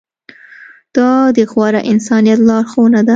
دا د غوره انسانیت لارښوونه ده.